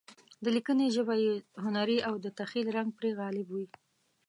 د لیکنې ژبه یې هنري او د تخیل رنګ پرې غالب وي.